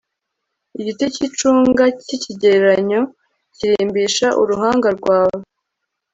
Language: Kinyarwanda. Igiti cyicunga cyikigereranyo kirimbisha uruhanga rwawe